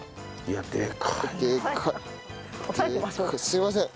すいません。